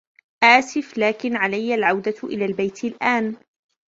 آسف ، لكن علي العودة إلى البيت الآن.